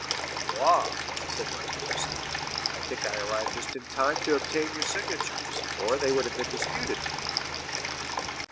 "Ma foi," said Monte Cristo; "I think I arrived just in time to obtain your signatures, or they would have been disputed with me."